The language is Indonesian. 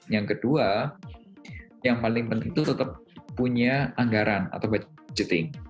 yang kedua yang paling penting itu tetap punya anggaran atau budgeting